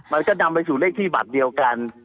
มันก็นำไปสู่เลขที่บัตรเดียวกัน